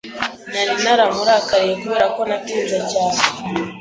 Nari naramurakariye kubera ko natinze cyane.